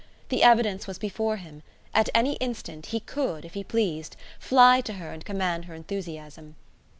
The evidence was before him. At any instant he could, if he pleased, fly to her and command her enthusiasm.